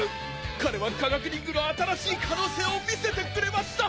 彼は科学忍具の新しい可能性を見せてくれました！